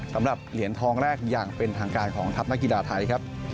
สำหรับเหรียญทองแรกอย่างเป็นทางการของทัพนักกีฬาไทยครับ